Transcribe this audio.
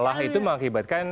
malah itu mengakibatkan